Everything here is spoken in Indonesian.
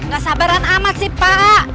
gak sabaran amat sih pak